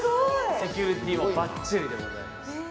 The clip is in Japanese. セキュリティーもばっちりです。